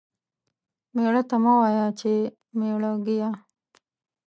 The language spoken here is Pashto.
ميړه ته مه وايه چې ميړه گيه.